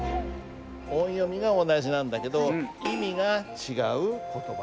音読みが同じなんだけど意味が違う言葉。